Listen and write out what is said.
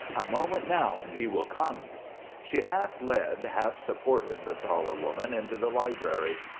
A moment now and he will come." She half led, half supported the taller woman into the library.